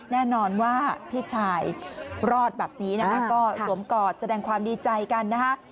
แน่นอนว่าพี่ชายรอดแบบนี้นะคะก็สวมกอดแสดงความดีใจกันนะคะ